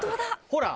ほら！